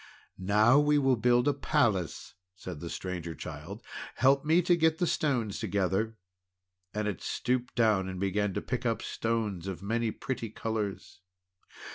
"Now we will build a palace!" said the Stranger Child. "Help me to get the stones together." And it stooped down and began to pick up stones of many pretty colours.